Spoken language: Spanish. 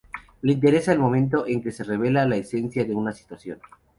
Le interesa el momento en que se revela la esencia de una situación.